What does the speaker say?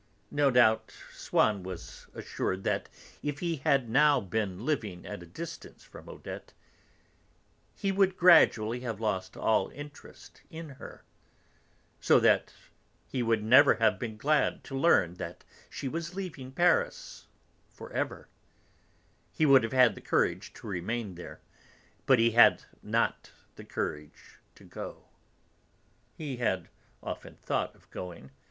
No doubt Swann was assured that if he had now been living at a distance from Odette he would gradually have lost all interest in her, so that he would have been glad to learn that she was leaving Paris for ever; he would have had the courage to remain there; but he had not the courage to go. He had often thought of going.